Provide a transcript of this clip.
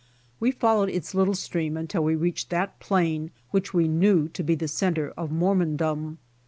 We followed its little stream until we reached that plain which we knew to be the center of Mormondom.